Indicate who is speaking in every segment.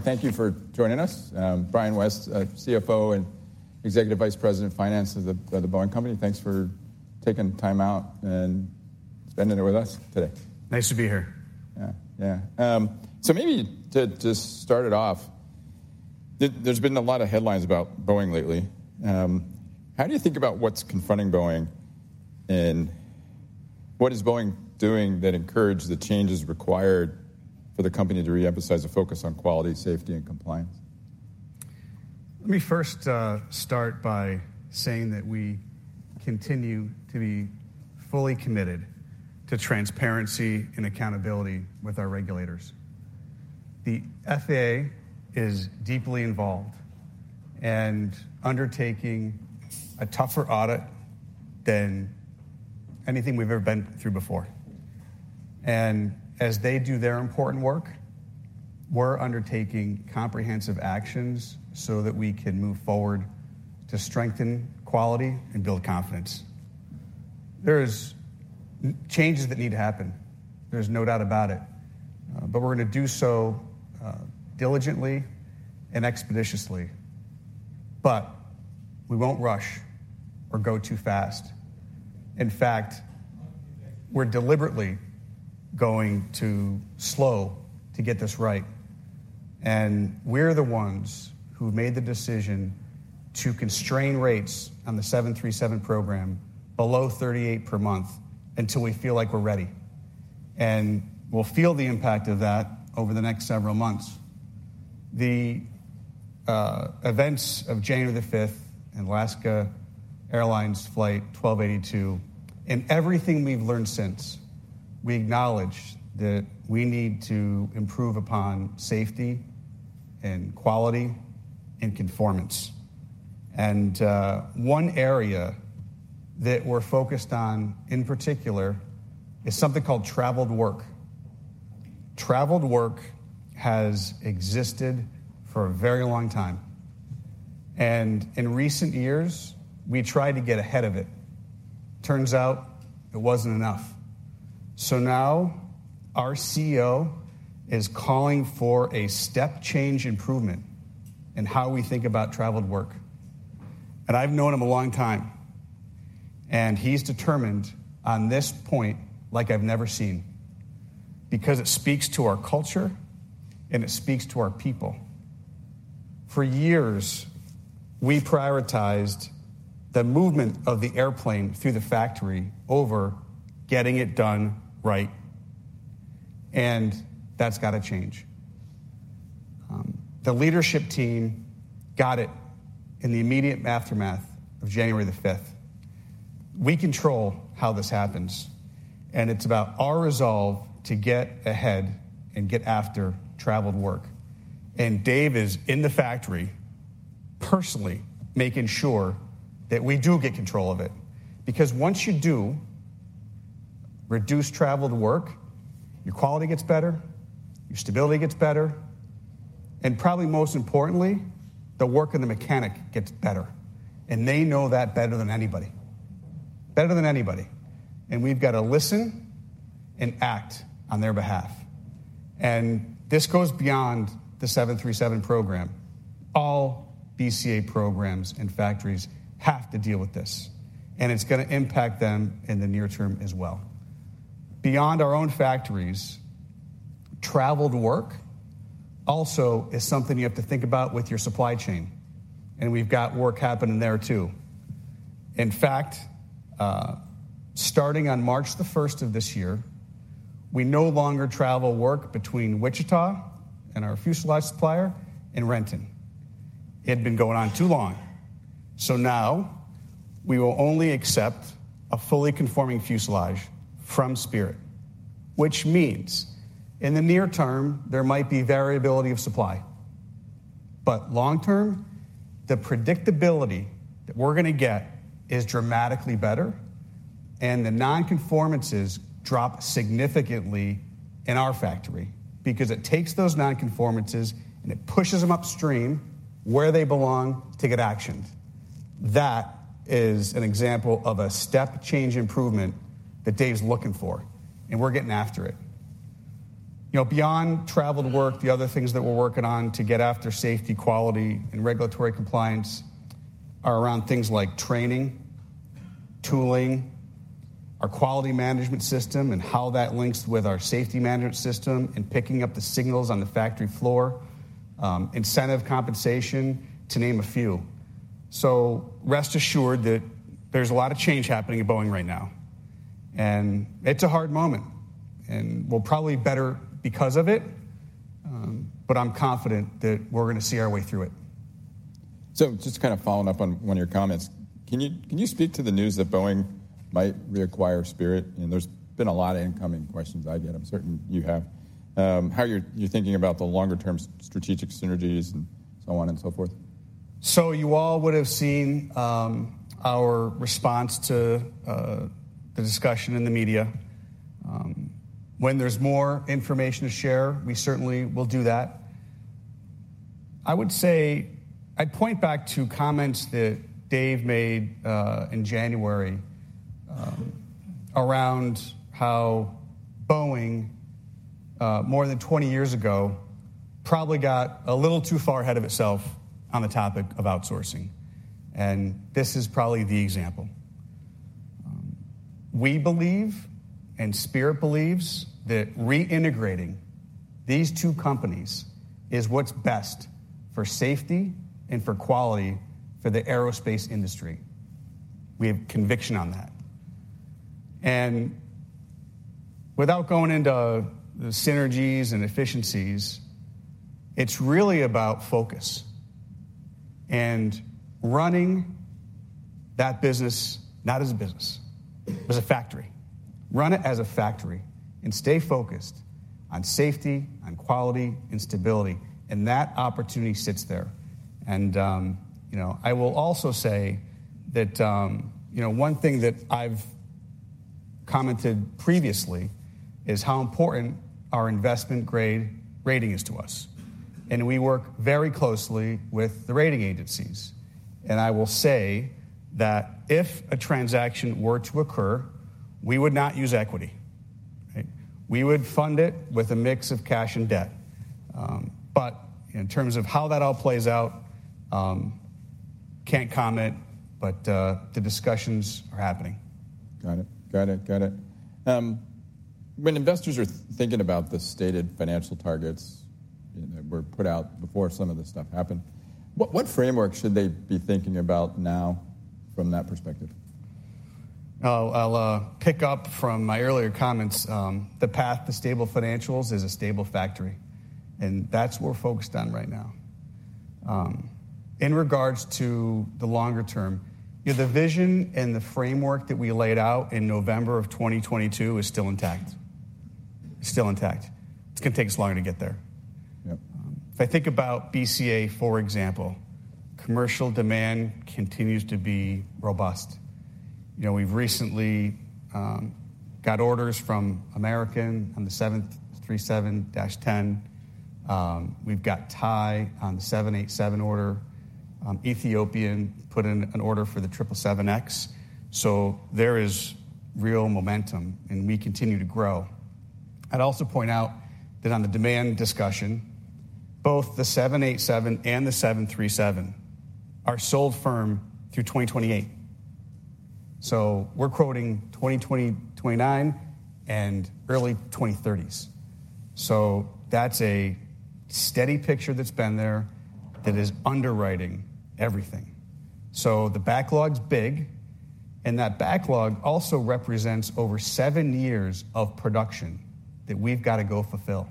Speaker 1: Thank you for joining us. Brian West, CFO and Executive Vice President of Finance of The Boeing Company. Thanks for taking time out and spending it with us today.
Speaker 2: Nice to be here.
Speaker 1: Yeah. Yeah. So maybe to start it off, there's been a lot of headlines about Boeing lately. How do you think about what's confronting Boeing, and what is Boeing doing that encourages the changes required for the company to reemphasize the focus on quality, safety, and compliance?
Speaker 2: Let me first start by saying that we continue to be fully committed to transparency and accountability with our regulators. The FAA is deeply involved and undertaking a tougher audit than anything we've ever been through before. As they do their important work, we're undertaking comprehensive actions so that we can move forward to strengthen quality and build confidence. There are changes that need to happen. There's no doubt about it. We're going to do so diligently and expeditiously. We won't rush or go too fast. In fact, we're deliberately going to slow to get this right. We're the ones who made the decision to constrain rates on the 737 program below 38 per month until we feel like we're ready. We'll feel the impact of that over the next several months. The events of January the 5th and Alaska Airlines Flight 1282 and everything we've learned since, we acknowledge that we need to improve upon safety and quality and conformance. One area that we're focused on in particular is something called traveled work. Traveled work has existed for a very long time. In recent years, we tried to get ahead of it. Turns out it wasn't enough. Now our CEO is calling for a step change improvement in how we think about traveled work. I've known him a long time. He's determined on this point like I've never seen because it speaks to our culture and it speaks to our people. For years, we prioritized the movement of the airplane through the factory over getting it done right. That's got to change. The leadership team got it in the immediate aftermath of January the 5th. We control how this happens. It's about our resolve to get ahead and get after traveled work. Dave is in the factory personally making sure that we do get control of it. Because once you do reduce traveled work, your quality gets better, your stability gets better, and probably most importantly, the work of the mechanic gets better. They know that better than anybody. Better than anybody. We've got to listen and act on their behalf. This goes beyond the 737 program. All BCA programs and factories have to deal with this. It's going to impact them in the near term as well. Beyond our own factories, traveled work also is something you have to think about with your supply chain. We've got work happening there too. In fact, starting on March 1st of this year, we no longer traveled work between Wichita and our fuselage supplier in Renton. It had been going on too long. So now we will only accept a fully conforming fuselage from Spirit. Which means in the near term, there might be variability of supply. But long term, the predictability that we're going to get is dramatically better. And the nonconformances drop significantly in our factory because it takes those nonconformances and it pushes them upstream where they belong to get actioned. That is an example of a step change improvement that Dave's looking for. And we're getting after it. Beyond traveled work, the other things that we're working on to get after safety, quality, and regulatory compliance are around things like training, tooling, our quality management system and how that links with our safety management system and picking up the signals on the factory floor, incentive compensation, to name a few. So rest assured that there's a lot of change happening at Boeing right now. It's a hard moment. We'll probably better because of it. But I'm confident that we're going to see our way through it. Just kind of following up on one of your comments, can you speak to the news that Boeing might reacquire Spirit? There's been a lot of incoming questions I get. I'm certain you have. How you're thinking about the longer-term strategic synergies and so on and so forth. You all would have seen our response to the discussion in the media. When there's more information to share, we certainly will do that. I would say I'd point back to comments that Dave made in January around how Boeing, more than 20 years ago, probably got a little too far ahead of itself on the topic of outsourcing. This is probably the example. We believe and Spirit believes that reintegrating these two companies is what's best for safety and for quality for the aerospace industry. We have conviction on that. Without going into the synergies and efficiencies, it's really about focus. Running that business not as a business, but as a factory. Run it as a factory and stay focused on safety, on quality, and stability. That opportunity sits there. I will also say that one thing that I've commented previously is how important our investment-grade rating is to us. We work very closely with the rating agencies. I will say that if a transaction were to occur, we would not use equity. We would fund it with a mix of cash and debt. But in terms of how that all plays out, can't comment. But the discussions are happening.
Speaker 1: Got it. Got it. Got it. When investors are thinking about the stated financial targets that were put out before some of this stuff happened, what framework should they be thinking about now from that perspective?
Speaker 2: I'll pick up from my earlier comments. The path to stable financials is a stable factory. That's what we're focused on right now. In regards to the longer term, the vision and the framework that we laid out in November of 2022 is still intact. It's still intact. It's going to take us longer to get there. If I think about BCA, for example, commercial demand continues to be robust. We've recently got orders from American on the 737-10. We've got Thai on the 787 order. Ethiopian put in an order for the 777X. There is real momentum. We continue to grow. I'd also point out that on the demand discussion, both the 787 and the 737 are sold firm through 2028. We're quoting 2029 and early 2030s. That's a steady picture that's been there that is underwriting everything. The backlog's big. And that backlog also represents over seven years of production that we've got to go fulfill.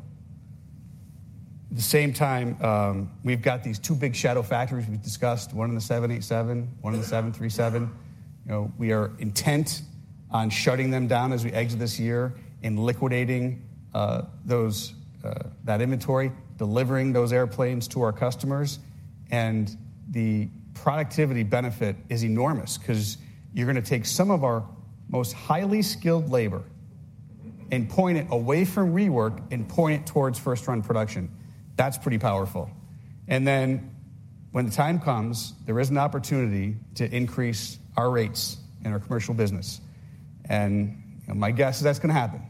Speaker 2: At the same time, we've got these two big shadow factories we've discussed, one on the 787, one on the 737. We are intent on shutting them down as we exit this year and liquidating that inventory, delivering those airplanes to our customers. And the productivity benefit is enormous because you're going to take some of our most highly skilled labor and point it away from rework and point it towards first-run production. That's pretty powerful. And then when the time comes, there is an opportunity to increase our rates in our commercial business. And my guess is that's going to happen.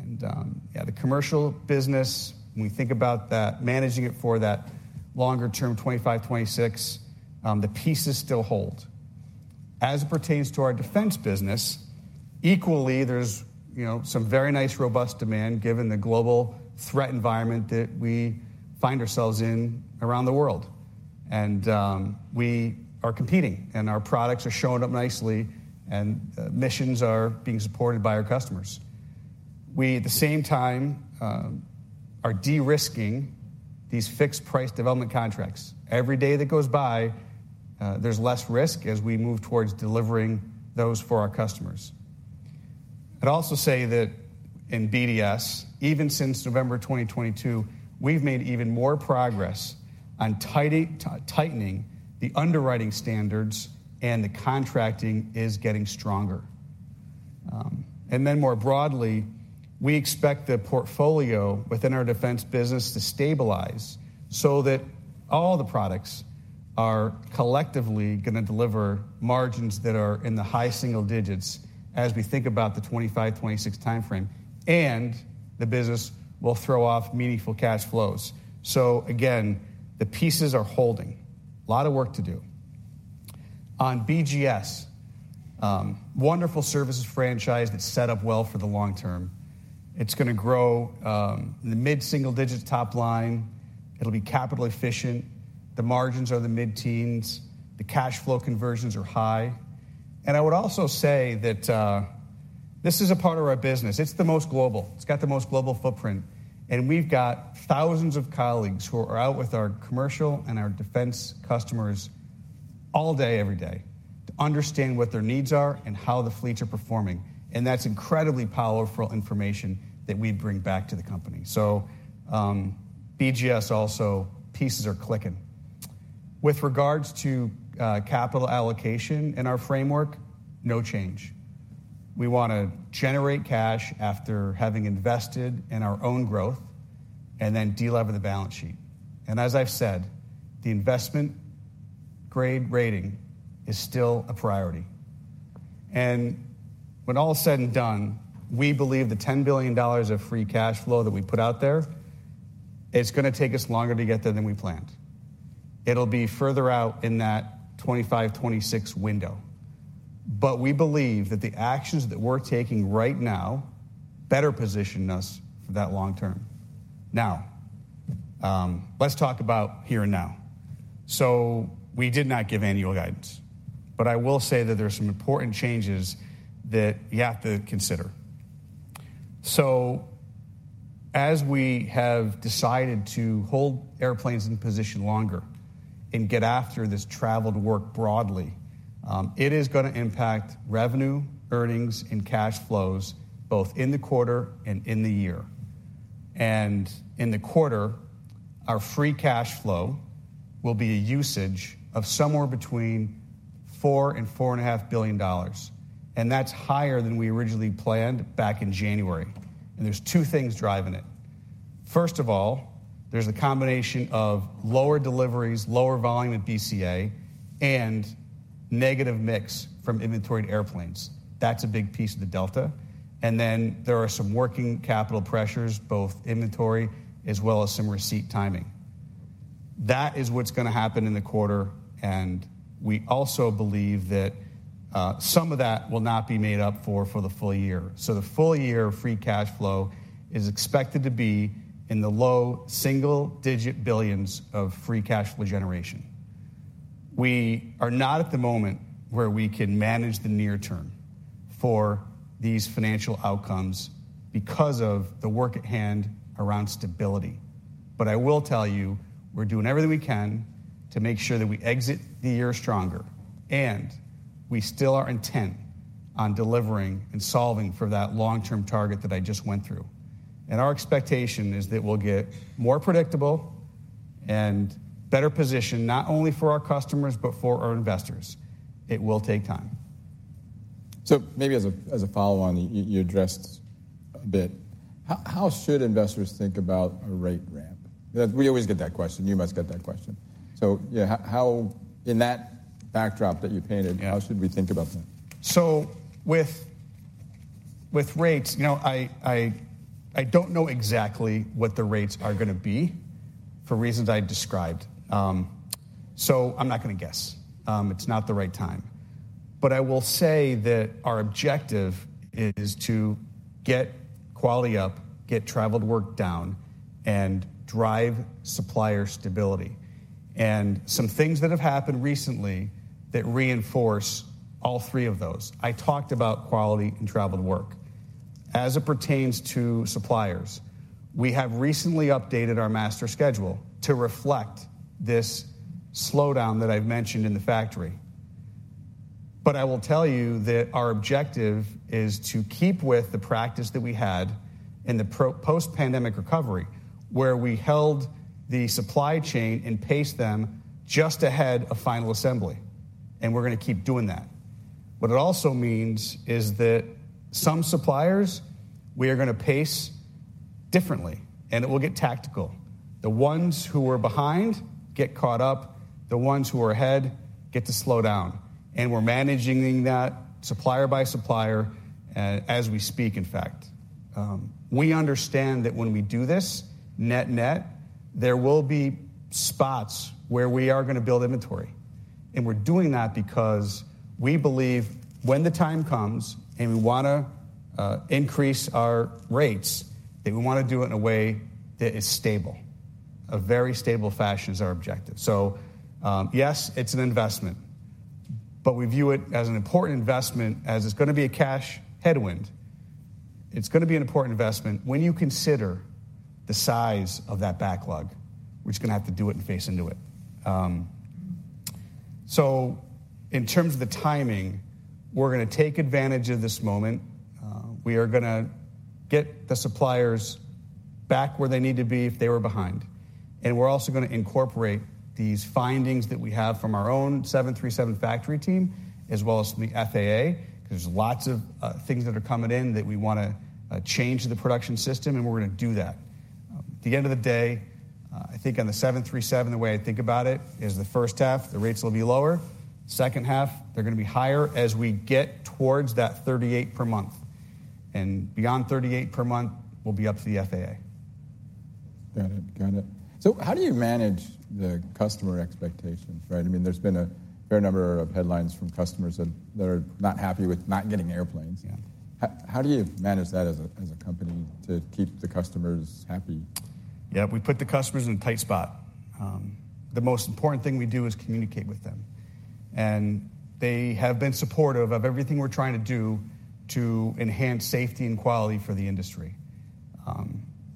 Speaker 2: And yeah, the commercial business, when we think about that, managing it for that longer term, 2025, 2026, the pieces still hold. As it pertains to our defense business, equally, there's some very nice, robust demand given the global threat environment that we find ourselves in around the world. We are competing. Our products are showing up nicely. Missions are being supported by our customers. We, at the same time, are de-risking these fixed-price development contracts. Every day that goes by, there's less risk as we move towards delivering those for our customers. I'd also say that in BDS, even since November 2022, we've made even more progress on tightening the underwriting standards. The contracting is getting stronger. Then more broadly, we expect the portfolio within our defense business to stabilize so that all the products are collectively going to deliver margins that are in the high single digits as we think about the 2025, 2026 time frame. The business will throw off meaningful cash flows. So again, the pieces are holding. A lot of work to do. On BGS, wonderful services franchise that's set up well for the long term. It's going to grow in the mid-single digit top line. It'll be capital efficient. The margins are in the mid-teens. The cash flow conversions are high. And I would also say that this is a part of our business. It's the most global. It's got the most global footprint. And we've got thousands of colleagues who are out with our commercial and our defense customers all day, every day to understand what their needs are and how the fleets are performing. And that's incredibly powerful information that we bring back to the company. So BGS also, pieces are clicking. With regards to capital allocation in our framework, no change. We want to generate cash after having invested in our own growth and then delever the balance sheet. As I've said, the investment grade rating is still a priority. When all is said and done, we believe the $10 billion of free cash flow that we put out there, it's going to take us longer to get there than we planned. It'll be further out in that 2025, 2026 window. We believe that the actions that we're taking right now better position us for that long term. Now, let's talk about here and now. We did not give annual guidance. I will say that there are some important changes that you have to consider. As we have decided to hold airplanes in position longer and get after this traveled work broadly, it is going to impact revenue, earnings, and cash flows both in the quarter and in the year. In the quarter, our free cash flow will be a usage of somewhere between $4-$4.5 billion. That's higher than we originally planned back in January. There's two things driving it. First of all, there's a combination of lower deliveries, lower volume at BCA, and negative mix from inventoried airplanes. That's a big piece of the delta. Then there are some working capital pressures, both inventory as well as some receipt timing. That is what's going to happen in the quarter. We also believe that some of that will not be made up for for the full year. The full year free cash flow is expected to be in the low single-digit $ billions of free cash flow generation. We are not at the moment where we can manage the near term for these financial outcomes because of the work at hand around stability. But I will tell you, we're doing everything we can to make sure that we exit the year stronger. We still are intent on delivering and solving for that long-term target that I just went through. Our expectation is that we'll get more predictable and better positioned not only for our customers but for our investors. It will take time.
Speaker 1: So maybe as a follow-on, you addressed a bit. How should investors think about a rate ramp? We always get that question. You must get that question. So in that backdrop that you painted, how should we think about that?
Speaker 2: So with rates, I don't know exactly what the rates are going to be for reasons I described. So I'm not going to guess. It's not the right time. But I will say that our objective is to get quality up, get traveled work down, and drive supplier stability. And some things that have happened recently that reinforce all three of those. I talked about quality and traveled work. As it pertains to suppliers, we have recently updated our master schedule to reflect this slowdown that I've mentioned in the factory. But I will tell you that our objective is to keep with the practice that we had in the post-pandemic recovery where we held the supply chain and paced them just ahead of final assembly. And we're going to keep doing that. What it also means is that some suppliers, we are going to pace differently. It will get tactical. The ones who are behind get caught up. The ones who are ahead get to slow down. We're managing that supplier by supplier as we speak, in fact. We understand that when we do this, net-net, there will be spots where we are going to build inventory. We're doing that because we believe when the time comes and we want to increase our rates, that we want to do it in a way that is stable. A very stable fashion is our objective. Yes, it's an investment. We view it as an important investment as it's going to be a cash headwind. It's going to be an important investment when you consider the size of that backlog. We're just going to have to do it and face into it. In terms of the timing, we're going to take advantage of this moment. We are going to get the suppliers back where they need to be if they were behind. We're also going to incorporate these findings that we have from our own 737 factory team as well as from the FAA because there's lots of things that are coming in that we want to change the production system. We're going to do that. At the end of the day, I think on the 737, the way I think about it is the first half, the rates will be lower. Second half, they're going to be higher as we get towards that 38 per month. Beyond 38 per month, we'll be up to the FAA.
Speaker 1: Got it. Got it. So how do you manage the customer expectations, right? I mean, there's been a fair number of headlines from customers that are not happy with not getting airplanes. How do you manage that as a company to keep the customers happy?
Speaker 2: Yeah. We put the customers in a tight spot. The most important thing we do is communicate with them. They have been supportive of everything we're trying to do to enhance safety and quality for the industry.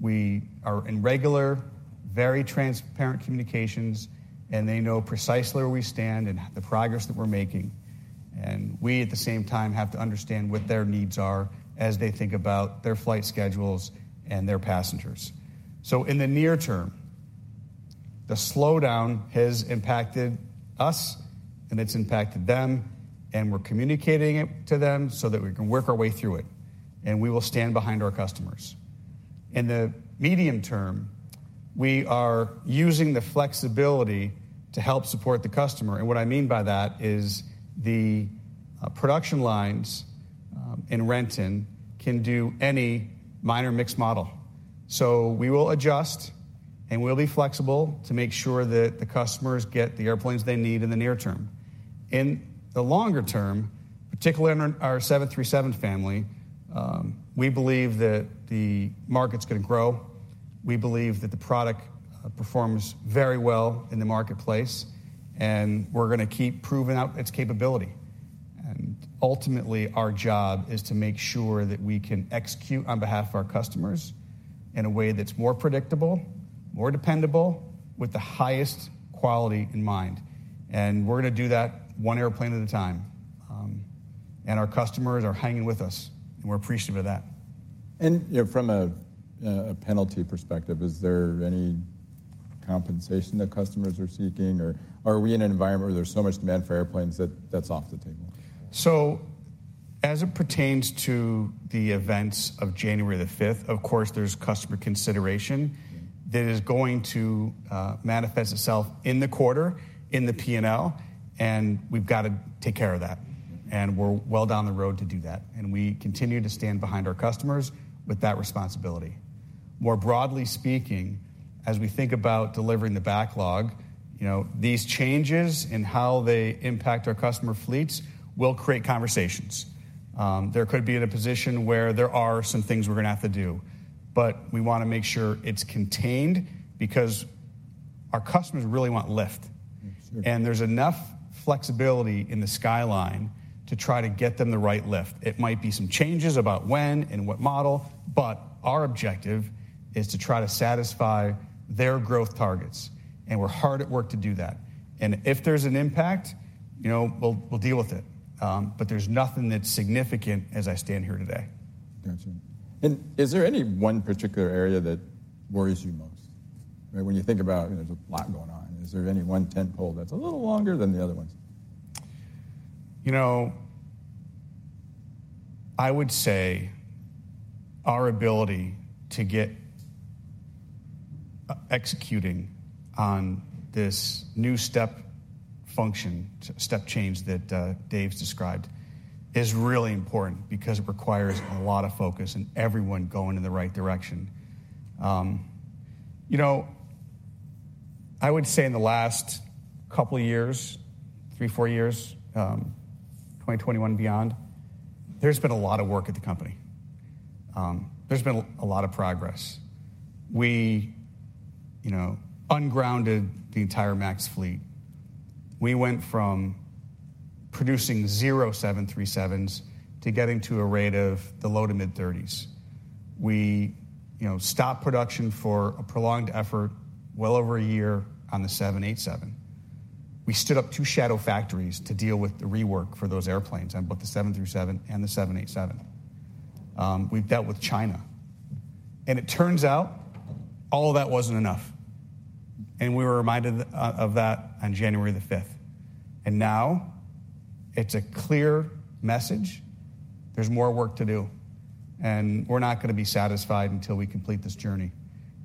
Speaker 2: We are in regular, very transparent communications. They know precisely where we stand and the progress that we're making. We, at the same time, have to understand what their needs are as they think about their flight schedules and their passengers. In the near term, the slowdown has impacted us. It's impacted them. We're communicating it to them so that we can work our way through it. We will stand behind our customers. In the medium term, we are using the flexibility to help support the customer. What I mean by that is the production lines in Renton can do any minor mixed model. We will adjust. We'll be flexible to make sure that the customers get the airplanes they need in the near term. In the longer term, particularly in our 737 family, we believe that the market's going to grow. We believe that the product performs very well in the marketplace. We're going to keep proving out its capability. Ultimately, our job is to make sure that we can execute on behalf of our customers in a way that's more predictable, more dependable, with the highest quality in mind. We're going to do that one airplane at a time. Our customers are hanging with us. We're appreciative of that.
Speaker 1: From a penalty perspective, is there any compensation that customers are seeking? Or are we in an environment where there's so much demand for airplanes that that's off the table?
Speaker 2: As it pertains to the events of January the 5th, of course, there's customer consideration that is going to manifest itself in the quarter, in the P&L. We've got to take care of that. We're well down the road to do that. We continue to stand behind our customers with that responsibility. More broadly speaking, as we think about delivering the backlog, these changes in how they impact our customer fleets will create conversations. There could be in a position where there are some things we're going to have to do. But we want to make sure it's contained because our customers really want lift. There's enough flexibility in the skyline to try to get them the right lift. It might be some changes about when and what model. But our objective is to try to satisfy their growth targets. We're hard at work to do that. And if there's an impact, we'll deal with it. But there's nothing that's significant as I stand here today.
Speaker 1: Gotcha. Is there any one particular area that worries you most, right, when you think about there's a lot going on? Is there any one tentpole that's a little longer than the other ones?
Speaker 2: I would say our ability to get executing on this new step function, step change that Dave's described, is really important because it requires a lot of focus and everyone going in the right direction. I would say in the last couple of years, 3, 4 years, 2021 beyond, there's been a lot of work at the company. There's been a lot of progress. We ungrounded the entire MAX fleet. We went from producing 0 737s to getting to a rate of the low- to mid-30s. We stopped production for a prolonged effort, well over a year, on the 787. We stood up 2 shadow factories to deal with the rework for those airplanes on both the 737 and the 787. We've dealt with China. And it turns out all of that wasn't enough. And we were reminded of that on January the 5th. And now it's a clear message. There's more work to do. We're not going to be satisfied until we complete this journey.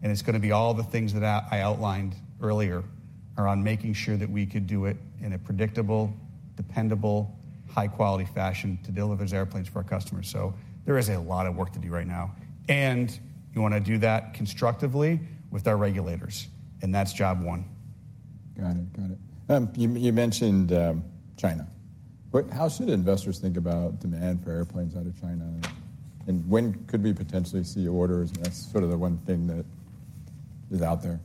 Speaker 2: It's going to be all the things that I outlined earlier are on making sure that we could do it in a predictable, dependable, high-quality fashion to deliver those airplanes for our customers. There is a lot of work to do right now. You want to do that constructively with our regulators. That's job one.
Speaker 1: Got it. Got it. You mentioned China. How should investors think about demand for airplanes out of China? And when could we potentially see orders? And that's sort of the one thing that is out there.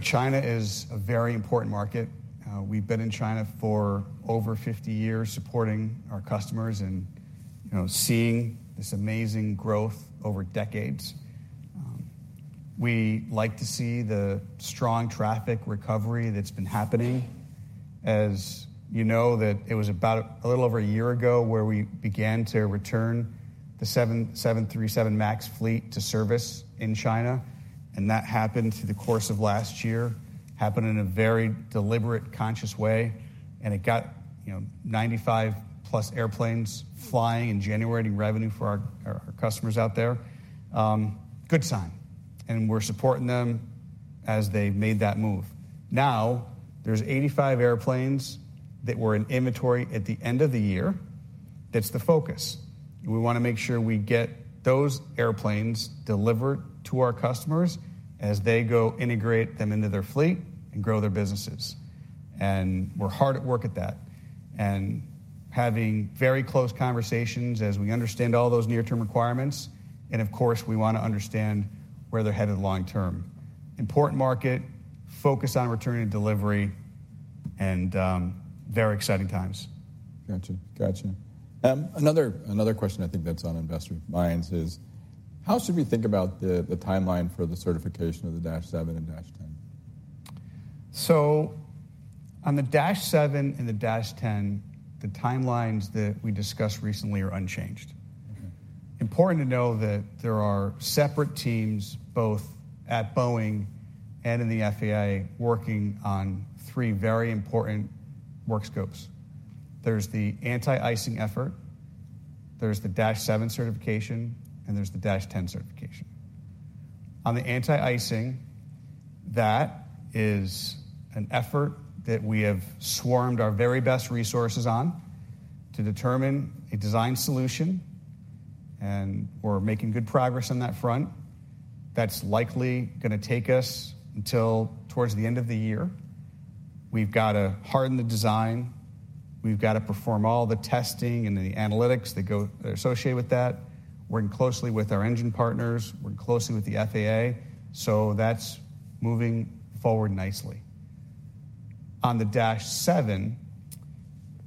Speaker 2: China is a very important market. We've been in China for over 50 years supporting our customers and seeing this amazing growth over decades. We like to see the strong traffic recovery that's been happening. As you know, it was about a little over a year ago where we began to return the 737 MAX fleet to service in China. That happened through the course of last year, happened in a very deliberate, conscious way. It got 95+ airplanes flying in January and revenue for our customers out there. Good sign. We're supporting them as they made that move. Now, there's 85 airplanes that were in inventory at the end of the year that's the focus. We want to make sure we get those airplanes delivered to our customers as they go integrate them into their fleet and grow their businesses. We're hard at work at that and having very close conversations as we understand all those near-term requirements. Of course, we want to understand where they're headed long term. Important market, focus on returning delivery, and very exciting times.
Speaker 1: Gotcha. Gotcha. Another question I think that's on investor minds is, how should we think about the timeline for the certification of the Dash 7 and Dash 10?
Speaker 2: So on the Dash 7 and the Dash 10, the timelines that we discussed recently are unchanged. Important to know that there are separate teams both at Boeing and in the FAA working on three very important work scopes. There's the anti-icing effort. There's the Dash 7 certification. And there's the Dash 10 certification. On the anti-icing, that is an effort that we have swarmed our very best resources on to determine a design solution. And we're making good progress on that front. That's likely going to take us until towards the end of the year. We've got to harden the design. We've got to perform all the testing and the analytics that go associated with that. Working closely with our engine partners. Working closely with the FAA. So that's moving forward nicely. On the Dash 7,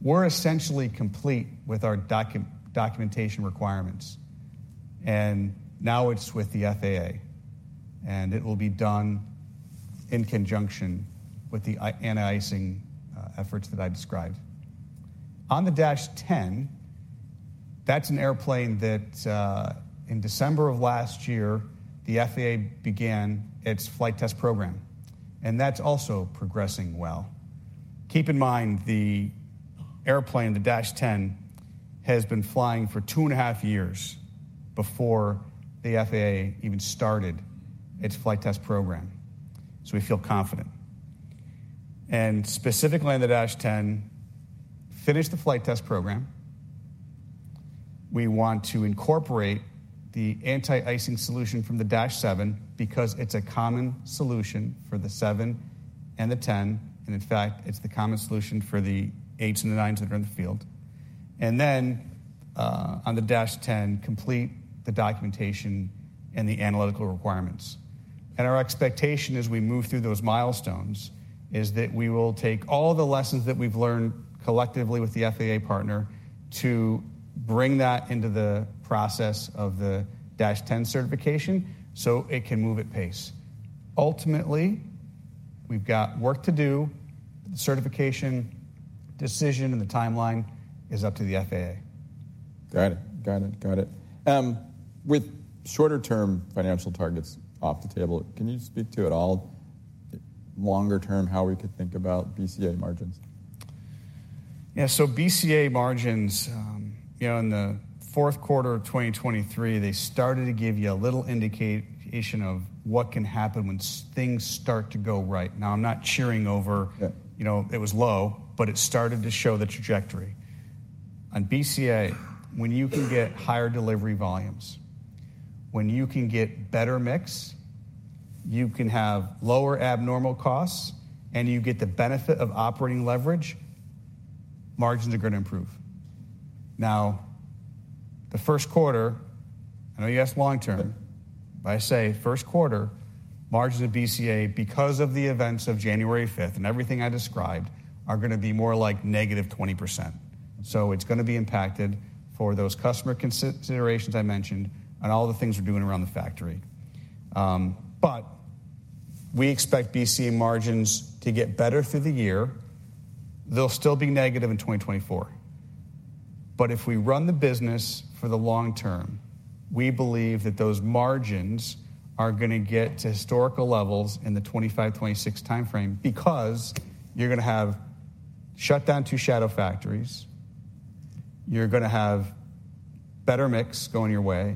Speaker 2: we're essentially complete with our documentation requirements. And now it's with the FAA. It will be done in conjunction with the anti-icing efforts that I described. On the Dash 10, that's an airplane that in December of last year, the FAA began its flight test program. That's also progressing well. Keep in mind, the airplane, the Dash 10, has been flying for 2.5 years before the FAA even started its flight test program. So we feel confident. Specifically on the Dash 10, finished the flight test program, we want to incorporate the anti-icing solution from the Dash 7 because it's a common solution for the seven and the 10. In fact, it's the common solution for the eights and the nines that are in the field. Then on the Dash 10, complete the documentation and the analytical requirements. Our expectation as we move through those milestones is that we will take all the lessons that we've learned collectively with the FAA partner to bring that into the process of the Dash 10 certification so it can move at pace. Ultimately, we've got work to do. The certification decision and the timeline is up to the FAA.
Speaker 1: Got it. Got it. Got it. With shorter-term financial targets off the table, can you speak to at all longer-term how we could think about BCA margins?
Speaker 2: Yeah. So BCA margins, in the fourth quarter of 2023, they started to give you a little indication of what can happen when things start to go right. Now, I'm not cheering over it. It was low, but it started to show the trajectory. On BCA, when you can get higher delivery volumes, when you can get better mix, you can have lower abnormal costs, and you get the benefit of operating leverage, margins are going to improve. Now, the first quarter, I know you asked long term. But I say first quarter, margins of BCA because of the events of January 5th and everything I described are going to be more like negative 20%. So it's going to be impacted for those customer considerations I mentioned and all the things we're doing around the factory. But we expect BCA margins to get better through the year. They'll still be negative in 2024. But if we run the business for the long term, we believe that those margins are going to get to historical levels in the 2025, 2026 time frame because you're going to have shut down to shadow factories. You're going to have better mix going your way.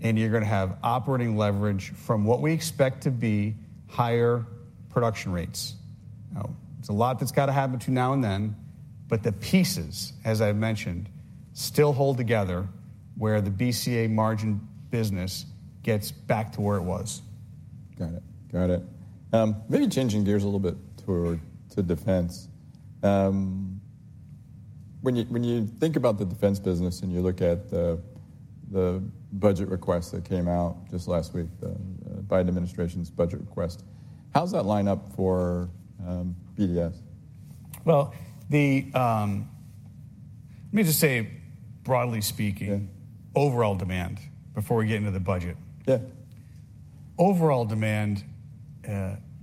Speaker 2: And you're going to have operating leverage from what we expect to be higher production rates. Now, it's a lot that's got to happen between now and then. But the pieces, as I've mentioned, still hold together where the BCA margin business gets back to where it was.
Speaker 1: Got it. Got it. Maybe changing gears a little bit toward defense. When you think about the defense business and you look at the budget request that came out just last week, the Biden administration's budget request, how does that line up for BDS?
Speaker 2: Well, let me just say, broadly speaking, overall demand before we get into the budget. Overall demand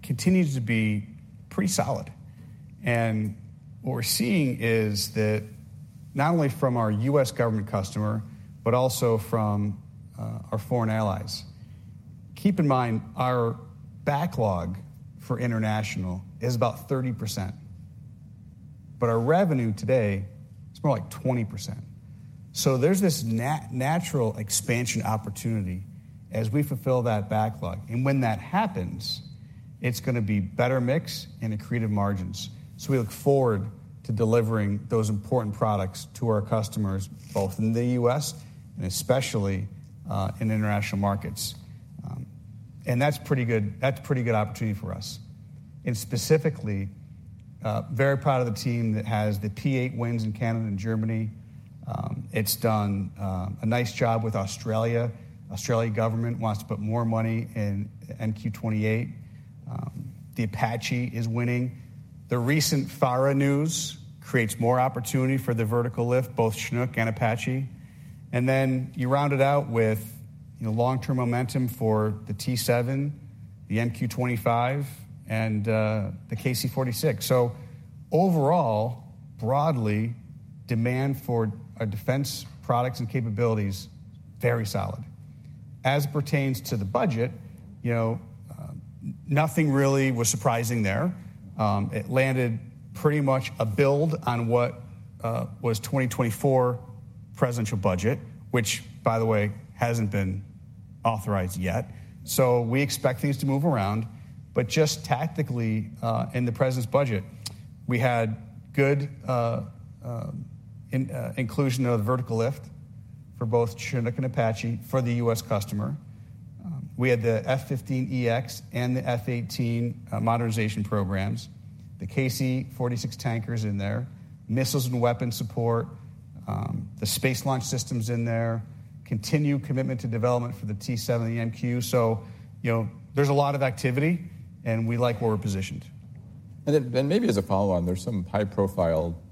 Speaker 2: continues to be pretty solid. And what we're seeing is that not only from our U.S. government customer but also from our foreign allies. Keep in mind, our backlog for international is about 30%. But our revenue today, it's more like 20%. So there's this natural expansion opportunity as we fulfill that backlog. And when that happens, it's going to be better mix and greater margins. So we look forward to delivering those important products to our customers both in the U.S. and especially in international markets. And that's pretty good opportunity for us. And specifically, very proud of the team that has the P-8 wins in Canada and Germany. It's done a nice job with Australia. Australia government wants to put more money in MQ-28. The Apache is winning. The recent FARA news creates more opportunity for the vertical lift, both Chinook and Apache. And then you round it out with long-term momentum for the T-7, the MQ-25, and the KC-46. So overall, broadly, demand for our defense products and capabilities is very solid. As it pertains to the budget, nothing really was surprising there. It landed pretty much a build on what was 2024 Presidential Budget, which, by the way, hasn't been authorized yet. So we expect things to move around. But just tactically, in the President's budget, we had good inclusion of the vertical lift for both Chinook and Apache for the U.S. customer. We had the F-15EX and the F-18 modernization programs, the KC-46 tankers in there, missiles and weapons support, the Space Launch Systems in there, continued commitment to development for the T-7 and the MQ. So there's a lot of activity. We like where we're positioned.
Speaker 1: Maybe as a follow-on, there's some high-profile competitions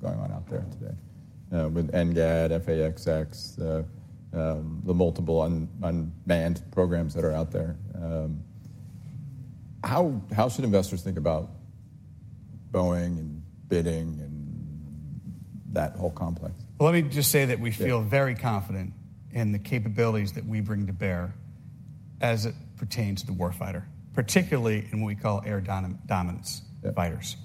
Speaker 1: going on out there today with NGAD, F/A-XX, the multiple unmanned programs that are out there. How should investors think about Boeing and bidding and that whole complex?
Speaker 2: Well, let me just say that we feel very confident in the capabilities that we bring to bear as it pertains to the warfighter, particularly in what we call air dominance fighters.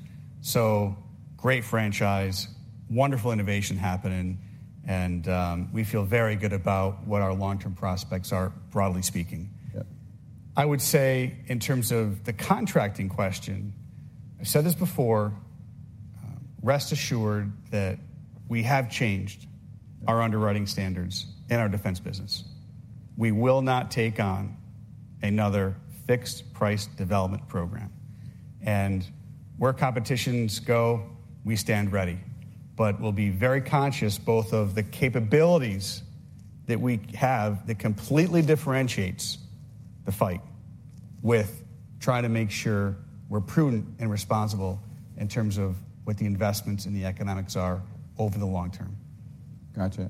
Speaker 2: So great franchise, wonderful innovation happening. And we feel very good about what our long-term prospects are, broadly speaking. I would say in terms of the contracting question, I've said this before, rest assured that we have changed our underwriting standards in our defense business. We will not take on another fixed-price development program. And where competitions go, we stand ready. But we'll be very conscious both of the capabilities that we have that completely differentiates the fight with trying to make sure we're prudent and responsible in terms of what the investments and the economics are over the long term.
Speaker 1: Gotcha.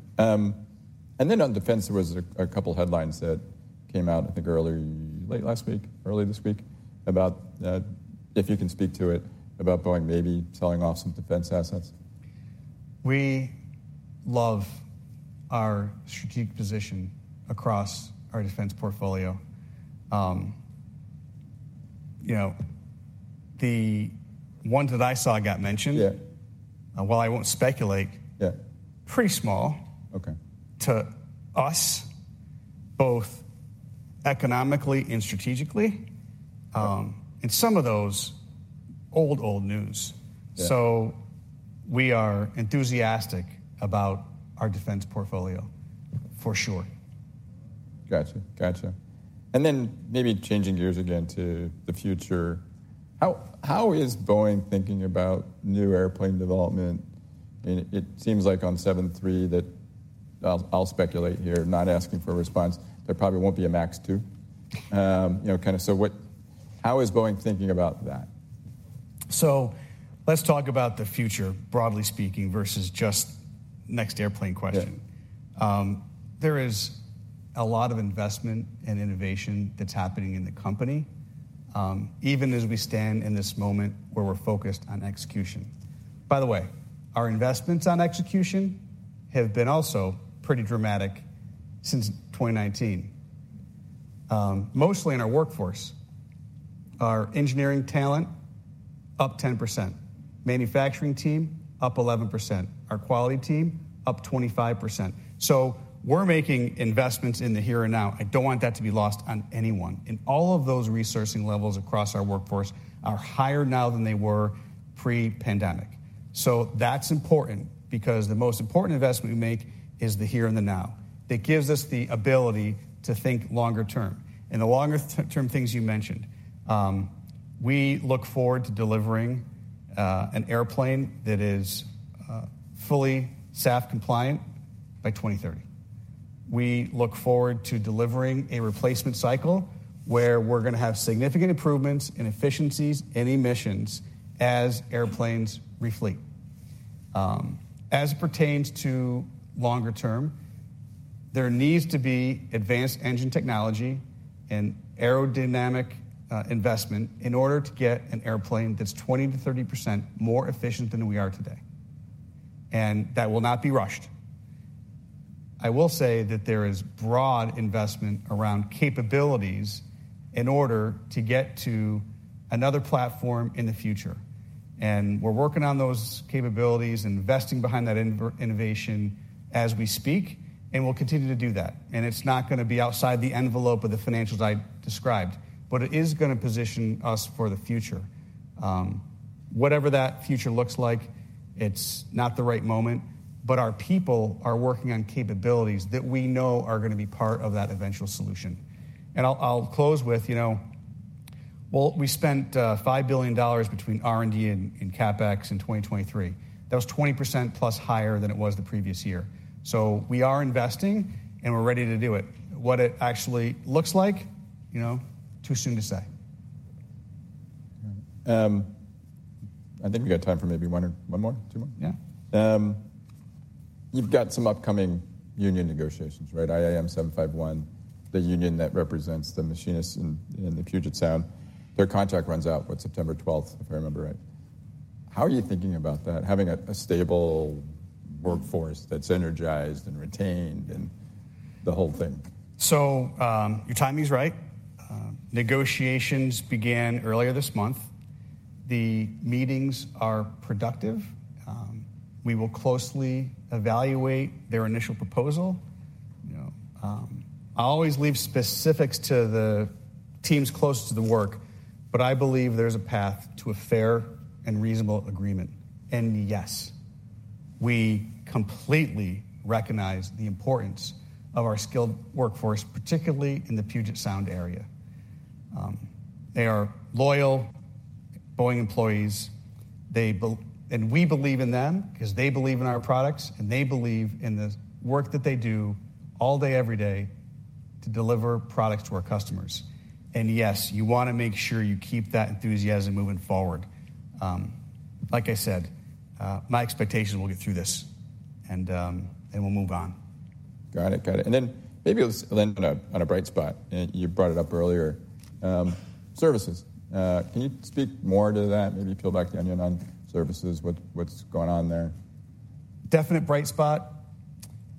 Speaker 1: And then on defense, there was a couple of headlines that came out, I think, earlier late last week, early this week about if you can speak to it, about Boeing maybe selling off some defense assets.
Speaker 2: We love our strategic position across our defense portfolio. The ones that I saw got mentioned, while I won't speculate, pretty small to us, both economically and strategically. And some of those, old, old news. So we are enthusiastic about our defense portfolio, for sure.
Speaker 1: Gotcha. Gotcha. And then maybe changing gears again to the future, how is Boeing thinking about new airplane development? I mean, it seems like on 737 that I'll speculate here, not asking for a response. There probably won't be a MAX 2 kind of. So how is Boeing thinking about that?
Speaker 2: So let's talk about the future, broadly speaking, versus just next airplane question. There is a lot of investment and innovation that's happening in the company, even as we stand in this moment where we're focused on execution. By the way, our investments on execution have been also pretty dramatic since 2019, mostly in our workforce. Our engineering talent, up 10%. Manufacturing team, up 11%. Our quality team, up 25%. So we're making investments in the here and now. I don't want that to be lost on anyone. And all of those resourcing levels across our workforce are higher now than they were pre-pandemic. So that's important because the most important investment we make is the here and the now that gives us the ability to think longer term. And the longer-term things you mentioned, we look forward to delivering an airplane that is fully SAF compliant by 2030. We look forward to delivering a replacement cycle where we're going to have significant improvements in efficiencies and emissions as airplanes refleet. As it pertains to longer term, there needs to be advanced engine technology and aerodynamic investment in order to get an airplane that's 20%-30% more efficient than we are today. And that will not be rushed. I will say that there is broad investment around capabilities in order to get to another platform in the future. And we're working on those capabilities and investing behind that innovation as we speak. And we'll continue to do that. And it's not going to be outside the envelope of the financials I described. But it is going to position us for the future. Whatever that future looks like, it's not the right moment. But our people are working on capabilities that we know are going to be part of that eventual solution. And I'll close with, well, we spent $5 billion between R&D and CapEx in 2023. That was 20%+ higher than it was the previous year. So we are investing. And we're ready to do it. What it actually looks like, too soon to say.
Speaker 1: I think we got time for maybe one more, two more. You've got some upcoming union negotiations, right? IAM 751, the union that represents the machinists in the Puget Sound, their contract runs out what, September 12th, if I remember right. How are you thinking about that, having a stable workforce that's energized and retained and the whole thing?
Speaker 2: So your timing's right. Negotiations began earlier this month. The meetings are productive. We will closely evaluate their initial proposal. I'll always leave specifics to the teams closest to the work. But I believe there's a path to a fair and reasonable agreement. And yes, we completely recognize the importance of our skilled workforce, particularly in the Puget Sound area. They are loyal Boeing employees. And we believe in them because they believe in our products. And they believe in the work that they do all day, every day to deliver products to our customers. And yes, you want to make sure you keep that enthusiasm moving forward. Like I said, my expectation is we'll get through this. And we'll move on.
Speaker 1: Got it. Got it. And then maybe it was, you know, on a bright spot. And you brought it up earlier, services. Can you speak more to that? Maybe peel back the onion on services, what's going on there?
Speaker 2: Definite bright spot.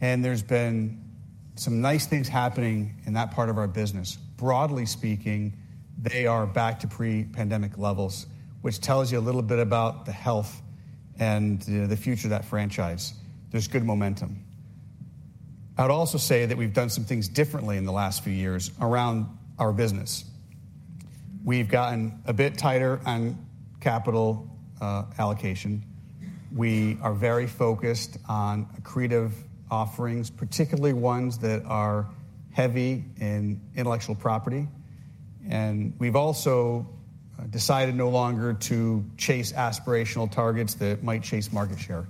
Speaker 2: There's been some nice things happening in that part of our business. Broadly speaking, they are back to pre-pandemic levels, which tells you a little bit about the health and the future of that franchise. There's good momentum. I would also say that we've done some things differently in the last few years around our business. We've gotten a bit tighter on capital allocation. We are very focused on creative offerings, particularly ones that are heavy in intellectual property. We've also decided no longer to chase aspirational targets that might chase market share.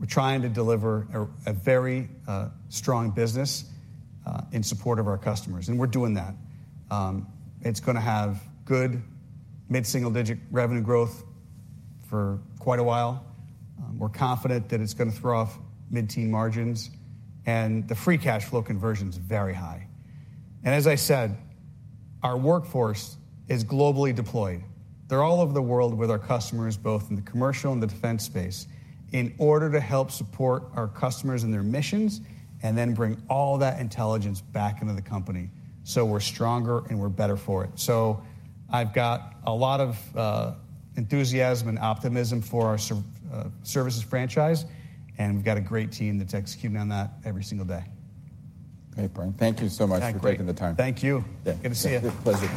Speaker 2: We're trying to deliver a very strong business in support of our customers. We're doing that. It's going to have good mid-single-digit revenue growth for quite a while. We're confident that it's going to throw off mid-teens margins. The free cash flow conversion is very high. As I said, our workforce is globally deployed. They're all over the world with our customers, both in the commercial and the defense space, in order to help support our customers and their missions and then bring all that intelligence back into the company so we're stronger and we're better for it. I've got a lot of enthusiasm and optimism for our services franchise. We've got a great team that's executing on that every single day.
Speaker 1: Great, Brian. Thank you so much for taking the time.
Speaker 2: Thank you. Good to see you.
Speaker 1: Good.